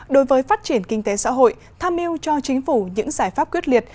đối với phát triển kinh tế xã hội tham mưu cho chính phủ những giải pháp quyết liệt